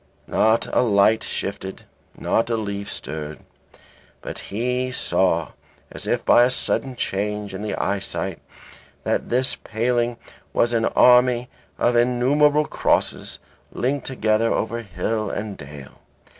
Not a light shifted, not a leaf stirred, but he saw as if by a sudden change in the eyesight that this paling was an army of innumerable crosses linked together over hill and dale.